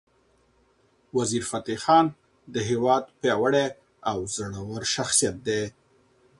وزیرفتح خان د هیواد پیاوړی او زړور شخصیت دی.